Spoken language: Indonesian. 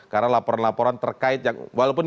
karena laporan laporan terkait yang walaupun